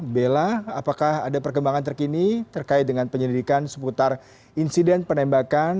bella apakah ada perkembangan terkini terkait dengan penyelidikan seputar insiden penembakan